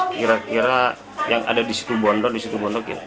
kira kira yang ada di situ bondok di situ bondok